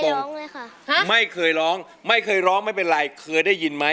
ร้องเลยค่ะไม่เคยร้องไม่เคยร้องไม่เป็นไรเคยได้ยินไหม